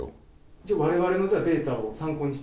じゃあ、われわれのデータを参考にして？